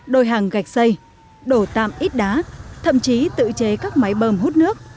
đôi hàng gạch xây đổ tạm ít đá thậm chí tự chế các máy bơm hút nước